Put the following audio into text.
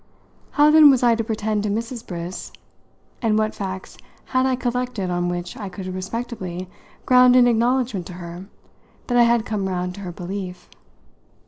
How then was I to pretend to Mrs. Briss, and what facts had I collected on which I could respectably ground an acknowledgment to her that I had come round to her belief?